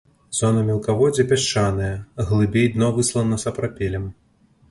Зона мелкаводдзя пясчаная, глыбей дно выслана сапрапелем.